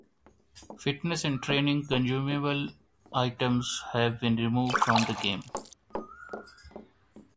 Fitness and training consumable items have been removed from the game.